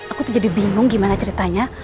aku tuh jadi bingung gimana ceritanya